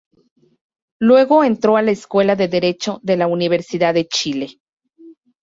Luego entró a la Escuela de Derecho de la Universidad de Chile.